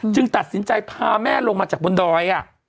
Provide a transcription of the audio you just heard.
ตัดสินใจพาแม่ลงมาจากบนดอย